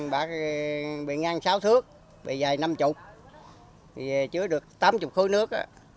bạc bị ngang sáu thước bị dài năm mươi chứa được tám mươi khối nước